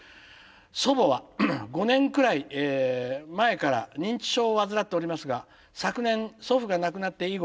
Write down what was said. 祖母は５年くらい前から認知症を患っておりますが昨年祖父が亡くなって以後ひどくなっております。